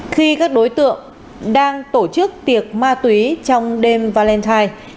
khi các đối tượng đang tổ chức tiệc ma túy trong đêm valentine